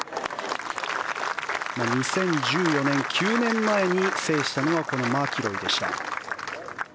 ２０１４年、９年前に制したのがマキロイでした。